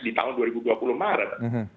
di tahun dua ribu dua puluh maret